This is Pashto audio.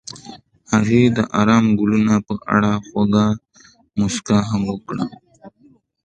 هغې د آرام ګلونه په اړه خوږه موسکا هم وکړه.